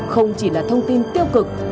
không chỉ là thông tin tiêu cực